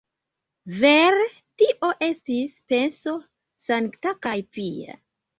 Vere, tio estis penso sankta kaj pia.